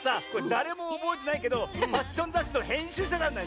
だれもおぼえてないけどファッションざっしのへんしゅうしゃなんだ！